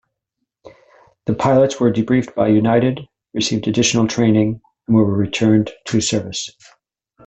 The pilots were debriefed by United, received additional training and were returned to service.